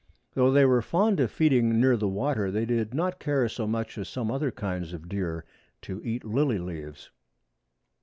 Though they were fond of feeding near the water they did not care so much as some other kinds of deer to eat lily leaves.